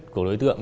của đối tượng